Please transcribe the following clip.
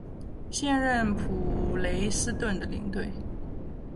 现任普雷斯顿的领队。